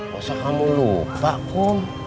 masa kamu lupa pak bu